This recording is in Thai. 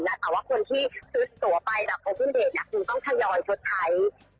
แต่ว่าคนที่ซื้อตัวไปจากโอเบิ้ลเดทคุณต้องทยอยชดใช้